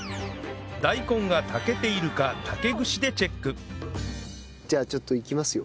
大根が炊けているか竹串でチェックじゃあちょっといきますよ。